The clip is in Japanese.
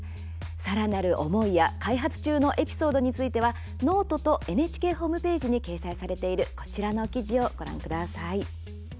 さらなる思いや開発中のエピソードについてはｎｏｔｅとＮＨＫホームページに掲載されているこちらの記事をご覧ください。